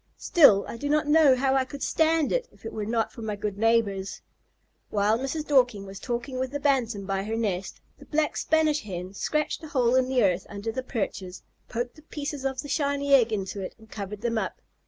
Still, I do not know how I could stand it if it were not for my good neighbors." While Mrs. Dorking was talking with the Bantam by her nest, the Black Spanish Hen scratched a hole in the earth under the perches, poked the pieces of the shiny egg into it, and covered them up.